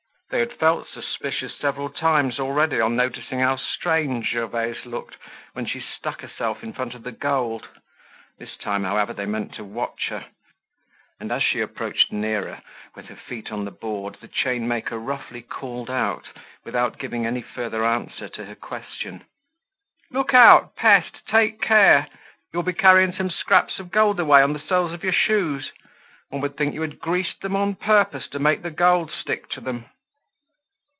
They had felt suspicious several times already on noticing how strange Gervaise looked when she stuck herself in front of the gold. This time, however, they meant to watch her. And as she approached nearer, with her feet on the board, the chainmaker roughly called out, without giving any further answer to her question: "Look out, pest—take care; you'll be carrying some scraps of gold away on the soles of your shoes. One would think you had greased them on purpose to make the gold stick to them."